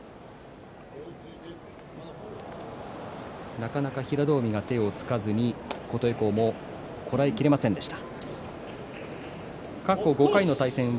なかなか平戸海が手をつかずに琴恵光もこらえきれませんでした。